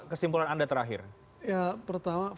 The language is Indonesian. kesimpulan anda terakhir ya pertama